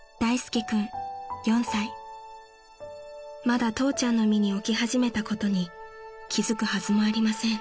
［まだ父ちゃんの身に起き始めたことに気付くはずもありません］